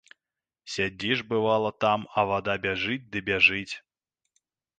Сядзіш бывала там, а вада бяжыць ды бяжыць.